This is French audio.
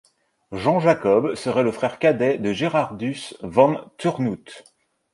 Jan-Jacob serait le frère cadet de Gerardus van Turnhout.